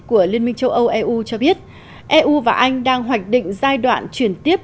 của liên minh châu âu eu cho biết eu và anh đang hoạch định giai đoạn chuyển tiếp